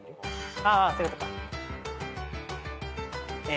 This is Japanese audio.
ああそういうことか。